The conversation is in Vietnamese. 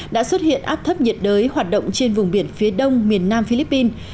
đã xuất hiện áp thấp nhiệt đới hoạt động trên vùng biển phía đông miền nam philippines